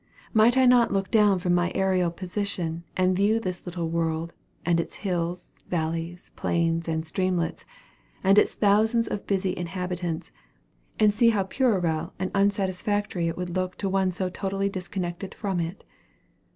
Might I not look down from my aerial position, and view this little world, and its hills, valleys, plains, and streamlets, and its thousands of busy inhabitants, and see how puerile and unsatisfactory it would look to one so totally disconnected from it?